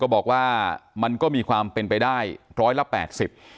บอกว่ามันก็มีความเป็นไปได้ร้อยละแปดสิบ